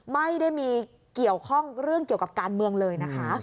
ไม่ได้มีเรื่องเกี่ยวกับการเมืองเลยนะคะ